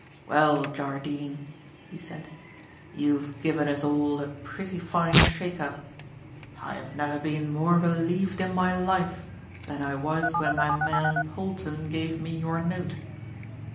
"Well, Jardine," he said, "you've given us all a pretty fine shake up. I have never been more relieved in my life than I was when my man Polton gave me your note.